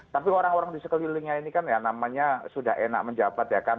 tapi orang orang di sekelilingnya ini kan ya namanya sudah enak menjabat ya kan